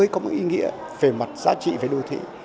có một ý nghĩa về mặt giá trị về đô thị